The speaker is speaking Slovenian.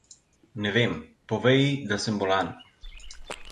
Ne vem. Povej ji, da sem bolan.